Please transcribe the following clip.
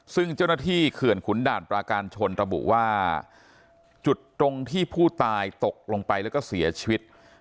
ซึ่งเจ้าหน้าที่เขื่อนขุนด่านปราการชนระบุว่าจุดตรงที่ผู้ตายตกลงไปแล้วก็เสียชีวิต